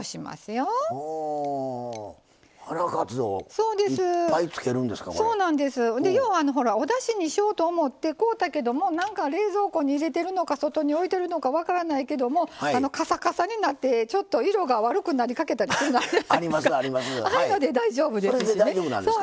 ようおだしにしようと思って買ったけどもなんか冷蔵庫に入れているのか外に置いているのか分からないけどもかさかさになってちょっと色が悪くなったようなものがあるので大丈夫ですね。